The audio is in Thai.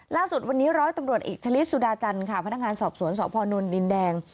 ล่าสุดวันนี้ร้อยตำรวจเอกชะลิดสุดาจันทร์ค่ะพนักงานสอบสวนสพนดินแดง